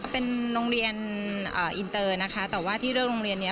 เป็นโรงเรียนอินเตอร์นะคะแต่ว่าที่เรื่องโรงเรียนเนี่ย